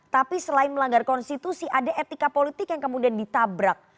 tapi selain melanggar konstitusi ada etika politik yang kemudian ditabrak